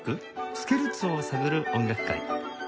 スケルツォを探る音楽会」